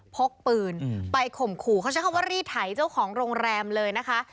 พกปืนไปข่มขู่เขาใช้คำว่ารีดไถเจ้าของโรงแรมเลยนะคะ